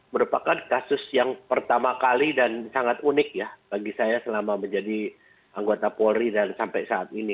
merupakan kasus yang pertama kali dan sangat unik ya bagi saya selama menjadi anggota polri dan sampai saat ini